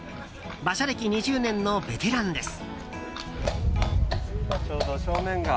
馬車歴２０年のベテランです。